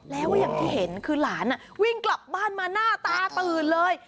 แล้วก็อย่างที่เห็นคือหลานวิ่งกลับบ้านมาหน้าตาตื่นเลย